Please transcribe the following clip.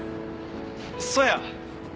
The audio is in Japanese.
そうや！